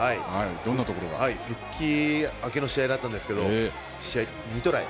復帰明けの試合だったんですけれども、２トライ。